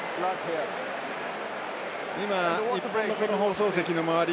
今、日本の放送席の周り